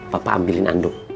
papa ambilin anduk